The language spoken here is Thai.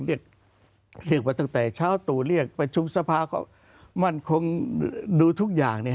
เรียกว่าตั้งแต่เช้าตู่เรียกประชุมสภาก็มั่นคงดูทุกอย่าง